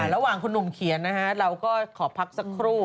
ระหว่างคุณหนุ่มเขียนนะฮะเราก็ขอพักสักครู่